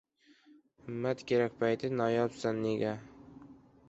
Himmat, kerak payti noyobsan nega?